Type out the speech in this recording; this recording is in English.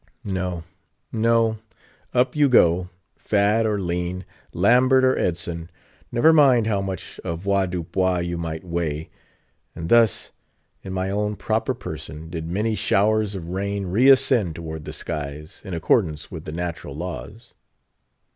No, no; up you go: fat or lean: Lambert or Edson: never mind how much avoirdupois you might weigh. And thus, in my own proper person, did many showers of rain reascend toward the skies, in accordance with the natural laws.